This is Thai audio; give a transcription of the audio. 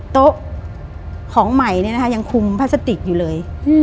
โต๊ะของใหม่ยังคุมพลาสติกอยู่เลย